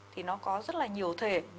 thì nó có rất là nhiều thể